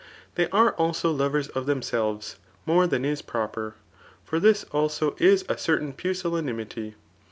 They arc also lovers of themselves more than is proper ; for this also is a certain pusillanimity.